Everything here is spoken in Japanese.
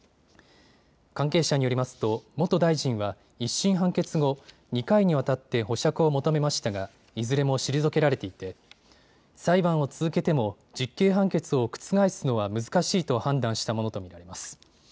関係者によりますと元大臣は１審判決後、２回にわたって保釈を求めましたがいずれも退けられていて裁判を続けても実刑判決を覆すのは難しいと判断したものと見られます。